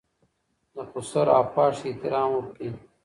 د خسر او خواښې احترام وکړئ.